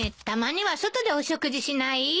たまには外でお食事しない？